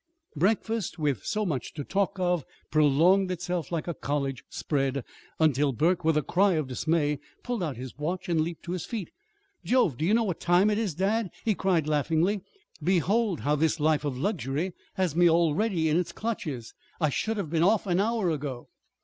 Breakfast, with so much to talk of, prolonged itself like a college spread, until Burke, with a cry of dismay, pulled out his watch and leaped to his feet. "Jove! Do you know what time it is, dad?" he cried laughingly. "Behold how this life of luxury has me already in its clutches! I should have been off an hour ago."